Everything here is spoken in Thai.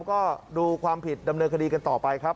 ก็ดูความผิดดำเนินคดีกันต่อไปครับ